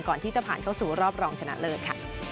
ก่อนที่จะผ่านเข้าสู่รอบรองชนะเลิศค่ะ